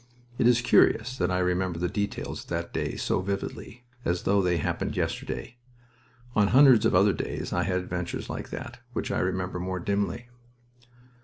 It is curious that I remember the details of that day so vividly, as though they happened yesterday. On hundreds of other days I had adventures like that, which I remember more dimly.